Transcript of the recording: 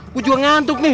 gua juga ngantuk nih